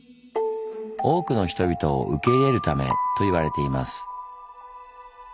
多くの人々を受け入れるためといわれています。